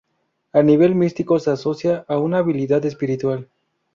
A nivel místico se asocia a una habilidad espiritual.